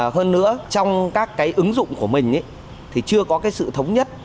hơn nữa trong các cái ứng dụng của mình thì chưa có cái sự thống nhất